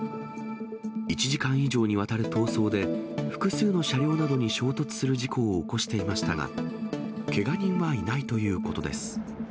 １時間以上にわたる逃走で、複数の車両などに衝突する事故を起こしていましたが、けが人はいないということです。